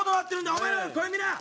お前ら、これ見な！